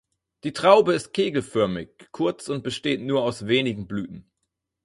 Die Traube ist kegelförmig, kurz und besteht nur aus wenigen Blüten.